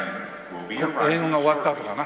英語が終わったあとかな？